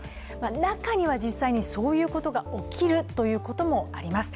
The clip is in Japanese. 中には実際にそういうことが起きるということもあります。